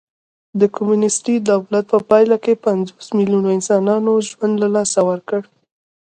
د کمونېستي دولت په پایله کې پنځوس میلیونو انسانانو ژوند له لاسه ورکړ